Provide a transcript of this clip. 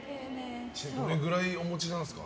どれくらいお持ちなんですか？